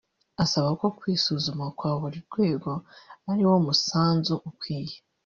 asaba ko kwisuzuma kwa buri rwego ariwo musanzu ukwiye